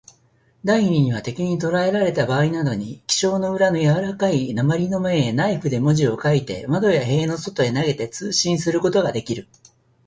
第二には、敵にとらえられたばあいなどに、記章の裏のやわらかい鉛の面へ、ナイフで文字を書いて、窓や塀の外へ投げて、通信することができる。